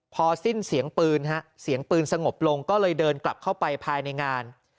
พอสิ้นเสียงปืนฮะเสียงปืนสงบลงก็เลยเดินกลับเข้าไปภายในงาน